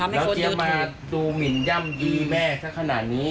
แล้วเจ๊มาดูหมินย่ำยีแม่สักขนาดนี้